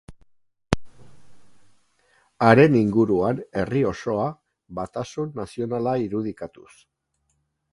Haren inguruan, herri osoa, batasun nazionala irudikatuz.